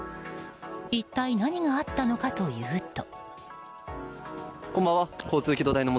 一体何があったのかというと。